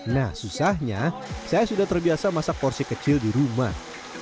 nah susahnya saya sudah terbiasa masak porsi kecil di rumah